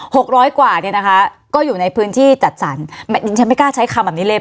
ร้อยกว่าเนี่ยนะคะก็อยู่ในพื้นที่จัดสรรดิฉันไม่กล้าใช้คำแบบนี้เลย